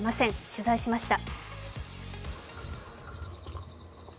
取材しました。